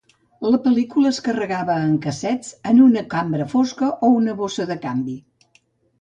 La pel·lícula es carregava en cassets en una cambra fosca o una bossa de canvi.